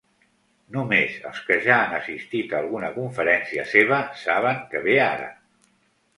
Només els que ja han assistit a alguna conferència seva saben què ve ara.